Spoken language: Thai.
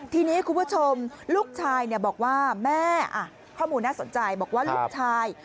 ทีนี้คุณผู้ชมลูกชายบอกว่าแม่ข้อมูลน่าสนใจบอกว่าลูกชาย